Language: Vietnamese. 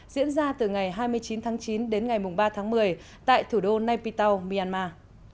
diễn ra từ ngày hai mươi chín tháng chín đến ngày ba tháng một mươi tại thủ đô naypito myanmar